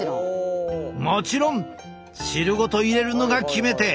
もちろん汁ごと入れるのが決め手！